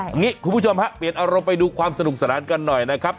คุณผู้ชมฮะเปลี่ยนอารมณ์ไปดูความสนุกสนานกันหน่อยนะครับ